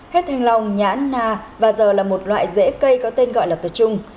hết thanh long nhãn na và giờ là một loại rễ cây có tên gọi là tờ trung